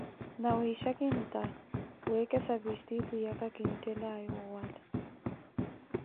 Nawiixa kintta wekesa vistiitu yaka kinttelaye owala.